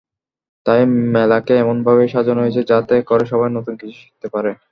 তাই মেলাকে এমনভাবেই সাজানো হয়েছে যাতে করে সবাই নতুন কিছু শিখতে পারে।